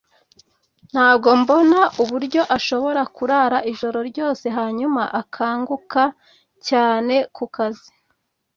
Ntabwo mbona uburyo ashobora kurara ijoro ryose hanyuma akanguka cyane kukazi.